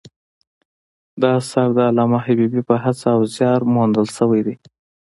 دا اثر د علامه حبیبي په هڅه او زیار مونده سوی دﺉ.